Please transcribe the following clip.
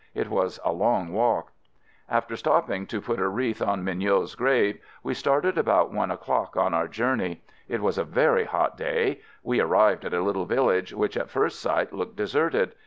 It was a long walk. FIELD SERVICE 135 After stopping to put a wreath on Mig not's grave, we started about one o'clock on our journey. It was a very hot day! We arrived at a little village which at first sight looked deserted.